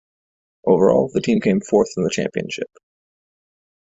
Overall the team came fourth in the championship.